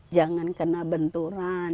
jangan kena benturan